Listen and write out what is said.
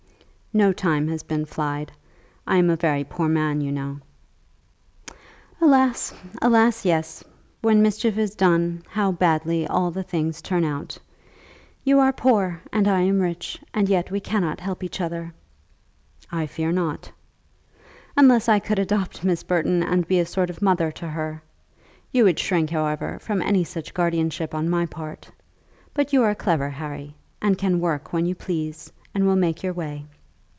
"No time has been fixed. I am a very poor man, you know." "Alas, alas, yes. When mischief is done, how badly all the things turn out. You are poor and I am rich, and yet we cannot help each other." "I fear not." "Unless I could adopt Miss Burton, and be a sort of mother to her. You would shrink, however, from any such guardianship on my part. But you are clever, Harry, and can work when you please, and will make your way.